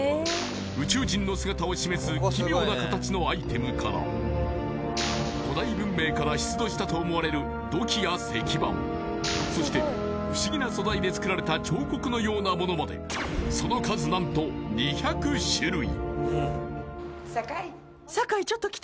宇宙人の姿を示す奇妙な形のアイテムから古代文明から出土したと思われる土器や石板そして不思議な素材で作られた彫刻のようなものまでその数何と２００種類！